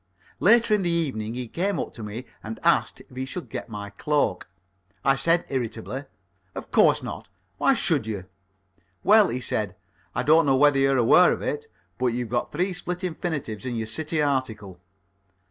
Later in the evening he came up to me and asked if he should get my cloak. I said irritably: "Of course not. Why should you?" "Well," he said, "I don't know whether you're aware of it, but you've got three split infinitives in your City article."